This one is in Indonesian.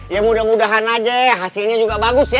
ya mudah mudahan aja ya hasilnya juga bagus ya